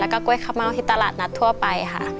กล้วยข้ะเม้าที่ตลาดหนัดทั่วไปค่ะ